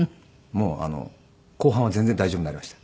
もう後半は全然大丈夫になりました。